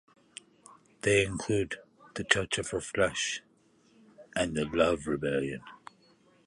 They include "The Touch of Her Flesh" and "The Love Rebellion".